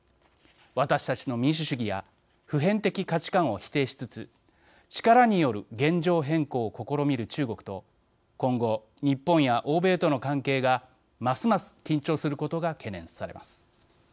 私たちの民主主義や普遍的価値観を否定しつつ力による現状変更を試みる中国と今後、日本や欧米との関係がますます緊張することが懸念されます。